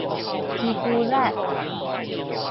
芝車力